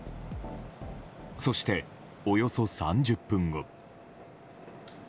そして、およそ３０分後。